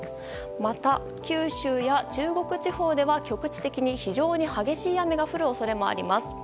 また、九州や中国地方では局地的に非常に激しい雨が降る恐れもあります。